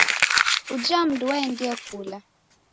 Uja mndu waendie kula.